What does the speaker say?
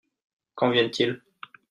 Quand viennent-ils ?